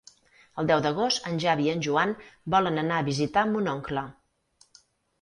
El deu d'agost en Xavi i en Joan volen anar a visitar mon oncle.